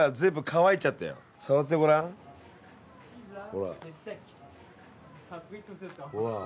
ほら。